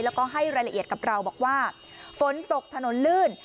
แล้วก็ให้รายละเอียดกับเราบอกว่าฝนตกถนนลื่น